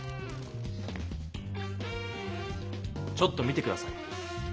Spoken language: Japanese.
ちょっと見て下さい。